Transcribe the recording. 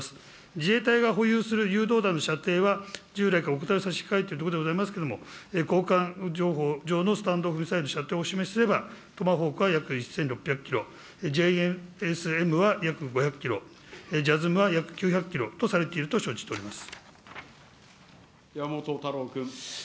自衛隊が保有する誘導弾の射程は従来からお答えを差し控えているところでございますけれども、こうかん情報、スタンド・オフ・ミサイルの射程をお示しすれば、トマホークは約１６００キロ、ＪＮＳＭは約５００キロ。は約９００キロとされていると承知しております。